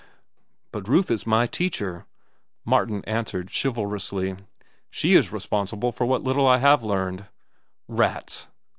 "But Ruth is my teacher," Martin answered chivalrously. "She is responsible for what little I have learned." "Rats!"